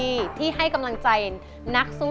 โทษใจโทษใจโทษใจโทษใจโทษใจโทษใจโทษใจโทษใจโทษใจ